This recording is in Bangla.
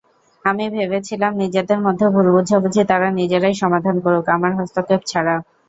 আমি ভেবেছিলাম, নিজেদের মধ্যে ভুল-বোঝাবুঝি তারা নিজেরাই সমাধান করুক, আমার হস্তক্ষেপ ছাড়া।